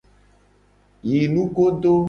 Yi nugodo.